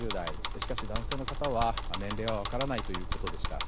しかし男性の方は年齢は分からないということでした。